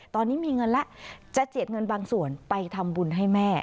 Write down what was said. ตอนนี้มีเงินแล้วจะเจียดเงินบางส่วนไปทำบุญให้แม่